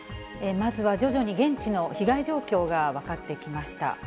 まずは徐々に現地の被害状況が分かってきました。